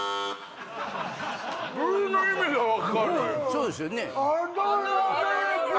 そうですよね。